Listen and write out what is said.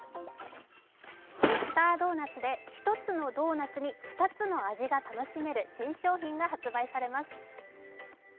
ミスタードーナツで１つのドーナツに２つの味が楽しめる新商品が発売されます。